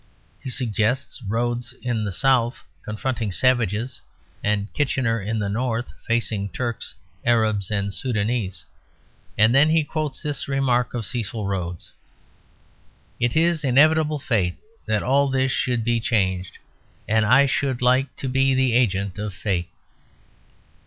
He suggests Rhodes in the South confronting savages and Kitchener in the North facing Turks, Arabs, and Soudanese, and then he quotes this remark of Cecil Rhodes: "It is inevitable fate that all this should be changed; and I should like to be the agent of fate."